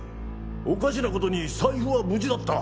おかしな事に財布は無事だった。